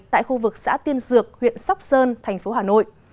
tại khu vực xã tiên dược huyện sóc sơn thành phố hà nội